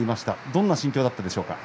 どんな心境だったでしょうか？